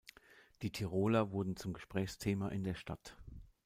Die Tiroler wurden zum Gesprächsthema in der Stadt.